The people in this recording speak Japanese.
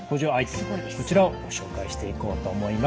こちらをご紹介していこうと思います。